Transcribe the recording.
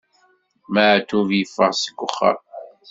Maɛṭub yeffeɣ seg uxxam.